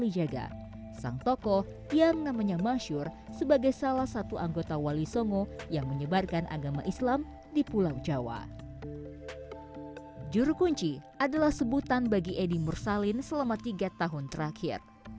juru kunci adalah sebutan bagi edy mursalin selama tiga tahun terakhir